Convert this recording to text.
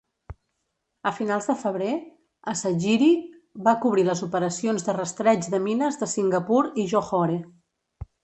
A finals de febrer, "Asagiri" va cobrir les operacions de rastreig de mines de Singapur i Johore.